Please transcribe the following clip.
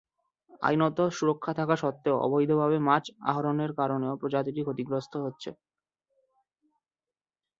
আইনত সুরক্ষা থাকা সত্ত্বেও অবৈধভাবে মাছ আহরণের কারণেও প্রজাতিটি ক্ষতিগ্রস্ত হচ্ছে।